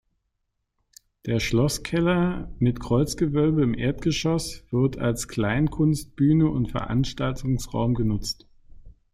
Der Schlosskeller mit Kreuzgewölbe im Erdgeschoss wird als Kleinkunstbühne und Veranstaltungsraum genutzt.